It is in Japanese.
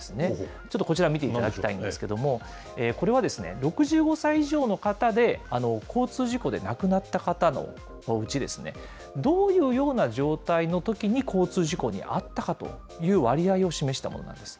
ちょっとこちら、見ていただきたいんですけれども、これは、６５歳以上の方で交通事故で亡くなった方のうちですね、どういうような状態のときに交通事故に遭ったかという割合を示したものなんです。